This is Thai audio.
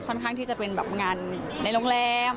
ข้างที่จะเป็นแบบงานในโรงแรม